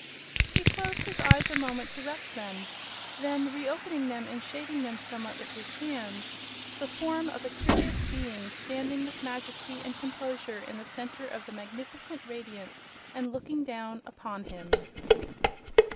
He closed his eyes a moment to rest them; then re opening them and shading them somewhat with his hands, he made out the form of a curious Being standing with majesty and composure in the center of the magnificent radiance and looking down upon him!